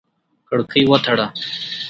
کړکۍ وتړه!